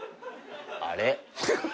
あれ？